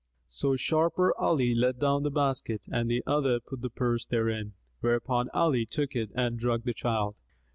So Sharper Ali let down the basket and the other put the purse therein, whereupon Ali took it and drugged the child.